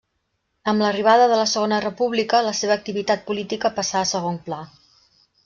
Amb l'arribada de la Segona República la seva activitat política passà a segon pla.